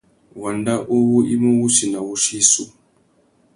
Wanda uwú i mú wussi nà wuchiô issú.